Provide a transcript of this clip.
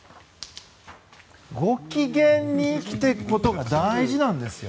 ご機嫌に生きていくことが大事なんですよ。